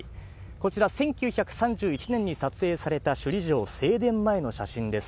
こちら、１９３１年に撮影された首里城・正殿前の写真です。